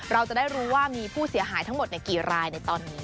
เราจะได้รู้ว่ามีผู้เสียหายทั้งหมดกี่รายในตอนนี้